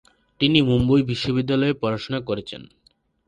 তিনি মুম্বই বিশ্ববিদ্যালয়ে পড়াশোনা করেছেন।